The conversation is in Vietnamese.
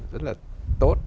rất là tốt